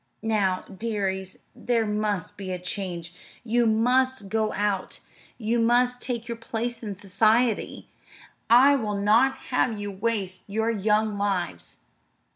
Now, dearies, there must be a change. You must go out. You must take your place in society. I will not have you waste your young lives."